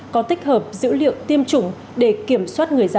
có tích hợp dữ liệu tiêm chủng để kiểm soát người da